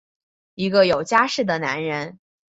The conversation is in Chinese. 一个有家室的男人！